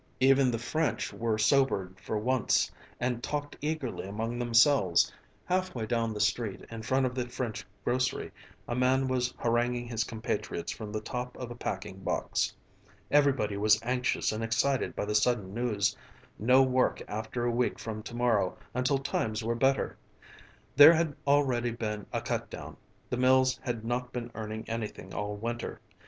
Even the French were sobered for once and talked eagerly among themselves. Halfway down the street, in front of the French grocery, a man was haranguing his compatriots from the top of a packing box. Everybody was anxious and excited by the sudden news. No work after a week from to morrow until times were better. There had already been a cut down, the mills had not been earning anything all winter.